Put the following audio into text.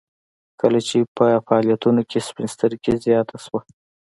کله چې په فعالیتونو کې سپین سترګي زیاته شوه